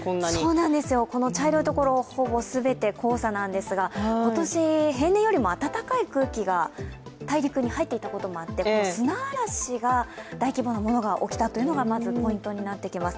そうなんですよ、茶色いところほぼ全て黄砂なんですが今年、平年よりも暖かい空気が大陸に入っていたこともあって砂嵐が、大規模なものが起きたというのがまずポイントになってきます。